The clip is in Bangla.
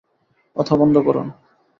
কথা বন্ধ করুন।